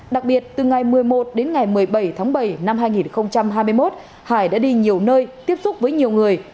đặc biệt từ ngày một mươi một đến ngày một mươi bảy tháng bảy năm hai nghìn hai mươi một hải đã đi nhiều nơi tiếp xúc với nhiều người